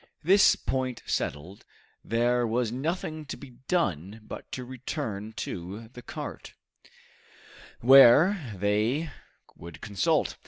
This point settled, there was nothing to be done but to return to the cart, where they would consult.